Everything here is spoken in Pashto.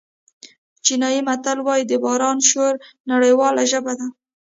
چینایي متل وایي د باران شور نړیواله ژبه ده.